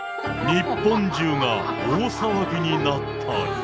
日本中が大騒ぎになった。